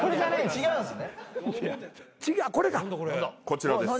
こちらです。